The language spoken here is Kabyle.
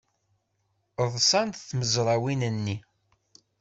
Ḍṣant tmezrawin-nni.